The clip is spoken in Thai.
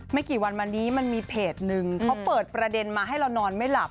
ไม่กี่วันมานี้มันมีเพจนึงเขาเปิดประเด็นมาให้เรานอนไม่หลับ